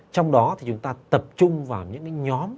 trong đó thì chúng ta tập trung vào những cái nhóm